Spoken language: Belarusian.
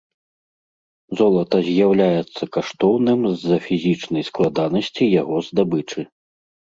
Золата з'яўляецца каштоўным з-за фізічнай складанасці яго здабычы.